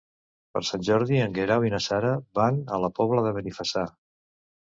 Per Sant Jordi en Guerau i na Sara van a la Pobla de Benifassà.